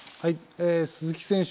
鈴木選手